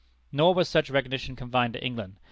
Nor was such recognition confined to England.